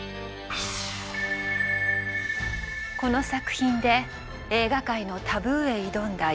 この作品で映画界のタブーへ挑んだ裕次郎。